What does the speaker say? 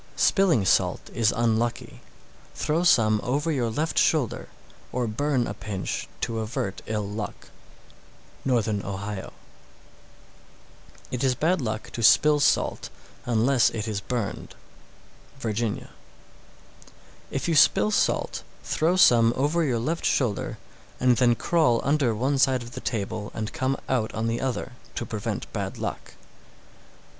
645. Spilling salt is unlucky; throw some over your left shoulder, or burn a pinch to avert ill luck. Northern Ohio. 646. It is bad luck to spill salt unless it is burned. Virginia. 647. If you spill salt, throw some over your left shoulder, and then crawl under one side of the table and come out on the other, to prevent bad luck.